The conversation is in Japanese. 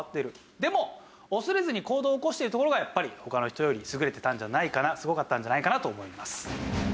でも恐れずに行動を起こしているところがやっぱり他の人より優れてたんじゃないかなすごかったんじゃないかなと思います。